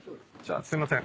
すいません。